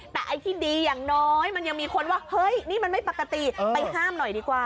แต่ไอ้ที่ดีอย่างน้อยมันยังมีคนว่าเฮ้ยนี่มันไม่ปกติไปห้ามหน่อยดีกว่า